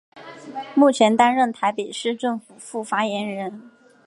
目前担任台北市政府副发言人。